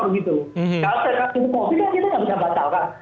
kalau terjadi covid sembilan belas itu nggak bisa batalkan